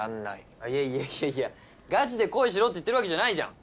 いやいやいやいやガチで恋しろって言ってるわけじゃないじゃん